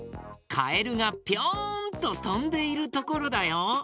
カエルがピョンととんでいるところだよ。